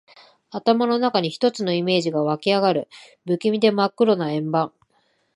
頭の中に一つのイメージが湧きあがる。不気味で真っ黒な円盤。